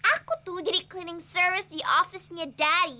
aku tuh jadi cleaning service di ofisnya daddy